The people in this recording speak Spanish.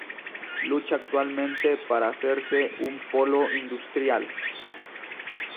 Lucha actualmente para hacerse un polo industrial.